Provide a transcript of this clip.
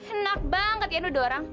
enak banget ya nuduh orang